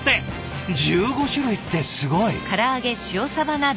１５種類ってすごい！